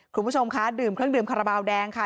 คุณผู้ชมคะดื่มเครื่องดื่มคาราบาลแดงค่ะ